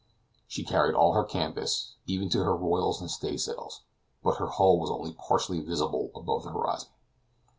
She carried all her canvas, even to her royals and stay sails, but her hull was only partially visible above the horizon.